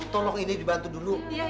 tolong ini dibantu dulu